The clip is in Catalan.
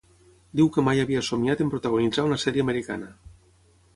Diu que mai havia somniat en protagonitzar una sèrie americana.